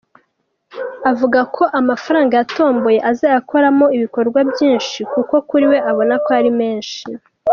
Avuga ko amafaranga yatomboye azayakoramo ibikorwa byinshi kuko kuri we abona ko ari menshi.